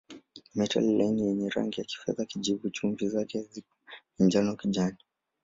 Ni metali laini yenye rangi ya kifedha-kijivu, chumvi zake ni njano-kijani.